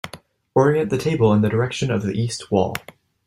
Orient the table in the direction of the east wall.